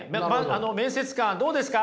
面接官どうですか？